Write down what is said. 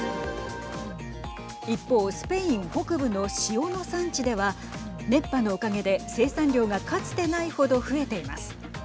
一方スペイン北部の塩の産地では熱波のおかげで生産量がかつてない程増えています。